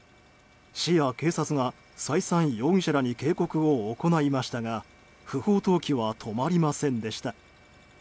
市や警察が再三容疑者らに警告を行いましたが不法投棄は止まりませんでした。